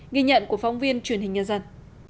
ghi nhận của phóng viên truyền hình nhân dân